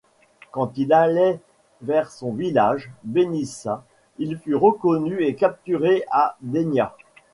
Quand il allait vers son village, Benissa, il fut reconnu et capturé à Dénia.